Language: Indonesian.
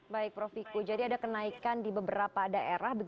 baik prof viku jadi ada kenaikan di beberapa daerah